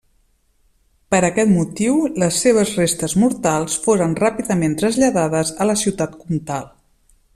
Per aquest motiu, les seves restes mortals foren ràpidament traslladades a la ciutat comtal.